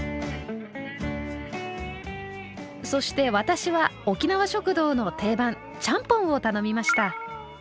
そして私は沖縄食堂の定番ちゃんぽんを頼みました。